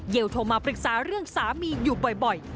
โทรมาปรึกษาเรื่องสามีอยู่บ่อย